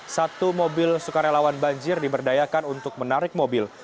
satu mobil sukarelawan banjir diberdayakan untuk menarik mobil